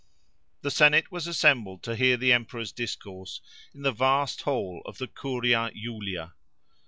The Senate was assembled to hear the emperor's discourse in the vast hall of the Curia Julia.